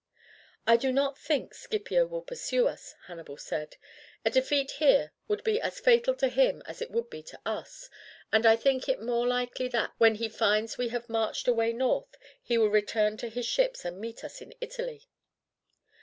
"I do not think Scipio will pursue us," Hannibal said. "A defeat here would be as fatal to him as it would be to us, and I think it more likely that, when he finds we have marched away north, he will return to his ships and meet us in Italy."